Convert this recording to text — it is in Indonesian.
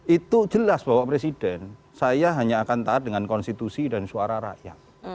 itu jelas bapak presiden saya hanya akan taat dengan konstitusi dan suara rakyat